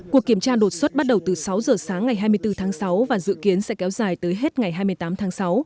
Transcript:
cuộc kiểm tra đột xuất bắt đầu từ sáu giờ sáng ngày hai mươi bốn tháng sáu và dự kiến sẽ kéo dài tới hết ngày hai mươi tám tháng sáu